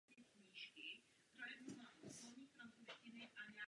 Ve čtyřech letech kopíroval obrázky Mikoláše Aleše a Josefa Lady z tehdejších kalendářů.